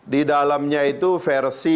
di dalamnya itu versi